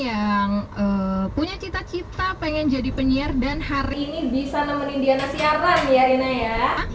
yang punya cita cita pengen jadi penyiar dan hari ini bisa nemenin diana siaran ya rina ya